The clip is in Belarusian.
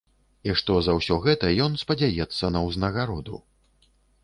І што за ўсё гэта ён спадзяецца на ўзнагароду.